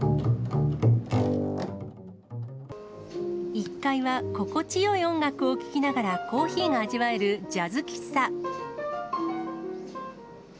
１階は心地よい音楽を聴きながら、コーヒーが味わえるジャズ喫茶。